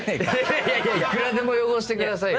「いくらでも汚して下さい」は。